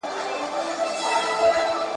د میوند شهیده مځکه د پردي پلټن مورچل دی